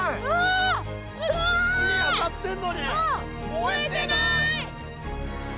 燃えてない！